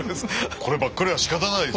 こればっかりはしかたないです。